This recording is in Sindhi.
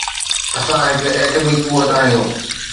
اسان هڪ ايٽمي قوت آهيون.